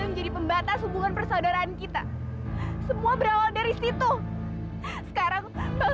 menjadi pembatas hubungan persaudaraan kita semua berawal dari situ sekarang baru